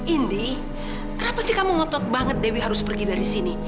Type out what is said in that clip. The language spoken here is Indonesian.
indie kenapa sih kamu ngotot banget dewi harus pergi dari sini